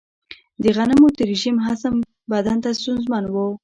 د غنمو د رژیم هضم بدن ته ستونزمن و.